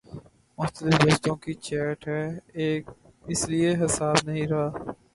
مختلف دوستوں کی چیٹ ہے اس لیے حساب نہیں رہا